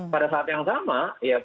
pada saat yang sama